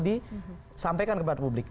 disampaikan kepada publik